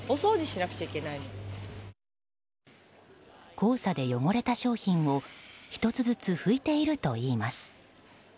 黄砂で汚れた商品を１つずつ拭いているといいます。